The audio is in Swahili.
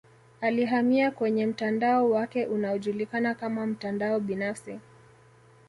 Alihamia kwenye mtandao wake unaojulikana kama mtandao binafsi